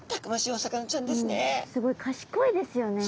すごいかしこいですよね。